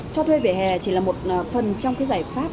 cho thuê vỉa hè chỉ là một phần trong cái giải pháp